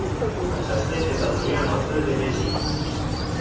Aceasta este datoria noastră de vecini.